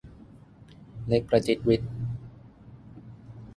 เล็กกระจิดริด